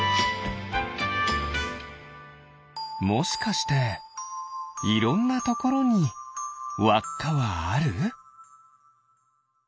もしかしていろんなところにわっかはある？